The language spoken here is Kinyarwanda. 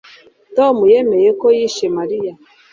Tom yemeye ko yishe Mariya